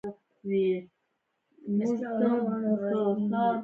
لکه د یتیم له خولې نه چې خندا مروره شي.